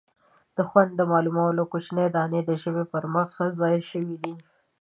د خوند د معلومولو کوچنۍ دانې د ژبې پر مخ ځای شوي دي.